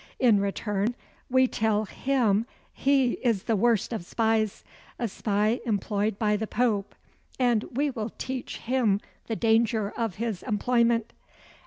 In return we tell him he is the worst of spies a spy employed by the Pope; and we will teach him the danger of his employment."